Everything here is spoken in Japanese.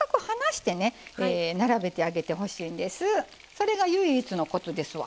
それが唯一のコツですわ。